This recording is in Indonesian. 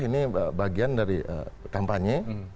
ini bagian dari kampanye